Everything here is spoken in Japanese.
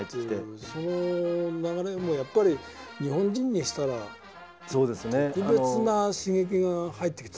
その流れもやっぱり日本人にしたら特別な刺激が入ってきた？